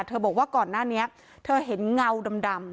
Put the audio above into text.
บอกว่าก่อนหน้านี้เธอเห็นเงาดำ